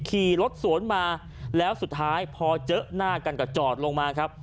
ขี่รถสวนมาแล้วสุดท้ายพอเจอหน้ากันก็จอดลงมาครับ